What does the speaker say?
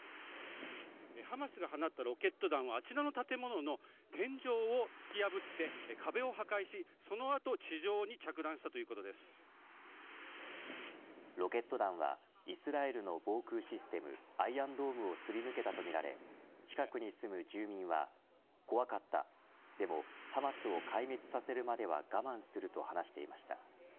ハマスが放ったロケット弾はあちらの建物の天井を突き破って壁を破壊し、その後地上にロケット弾はイスラエルの防空システムアイアンドームをすり抜けたとみられ近くに住む住民は怖かったでも、ハマスを壊滅させるまでは我慢すると話していました。